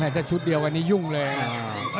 แม่เป็นชุดเดียวกันนี้หยุ่งเลย